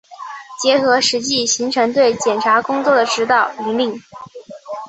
结合实际形成对检察工作的指导、引领